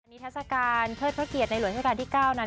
อธิสรภาการเพิศพระเกียรติในหลวนอธิสรภาการที่๙นาน